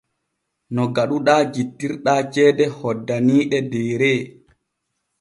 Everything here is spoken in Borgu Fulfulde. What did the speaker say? No gaɗuɗaa jittirɗaa ceede hoddaniiɗe Deere.